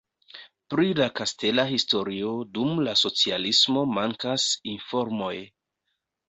Pri la kastela historio dum la socialismo mankas informoj.